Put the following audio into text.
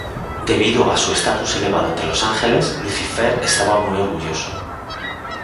Debido a su estatus elevado entre los otros ángeles, Lucifer estaba muy orgulloso.